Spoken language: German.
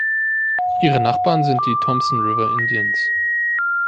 Ihre Nachbarn sind die Thompson River Indians.